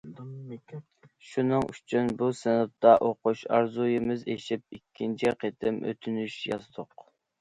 شۇنىڭ ئۈچۈن بۇ سىنىپتا ئوقۇش ئارزۇيىمىز ئېشىپ، ئىككىنچى قېتىم ئۆتۈنۈش يازدۇق.